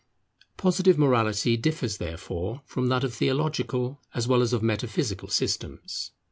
Positive morality differs therefore from that of theological as well as of metaphysical systems.